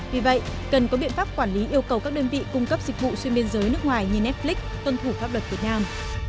vì vậy cần có biện pháp quản lý yêu cầu các đơn vị cung cấp dịch vụ xuyên biên giới nước ngoài như netflix tuân thủ pháp luật việt nam